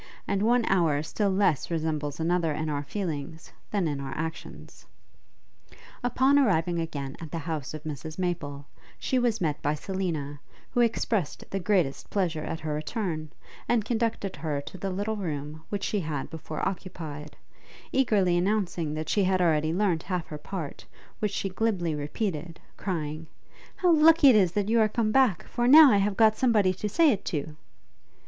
and one hour still less resembles another in our feelings, than in our actions. Upon arriving again at the house of Mrs Maple, she was met by Selina, who expressed the greatest pleasure at her return, and conducted her to the little room which she had before occupied; eagerly announcing that she had already learnt half her part, which she glibly repeated, crying, 'How lucky it is that you are come back; for now I have got somebody to say it to!'